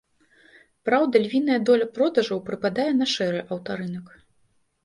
Праўда, львіная доля продажаў прыпадае на шэры аўтарынак.